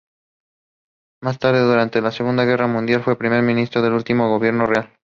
Más tarde, durante la Segunda Guerra Mundial, fue primer ministro del último gobierno real.